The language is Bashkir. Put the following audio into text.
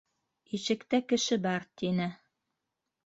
Ишектә кеше бар, - тине.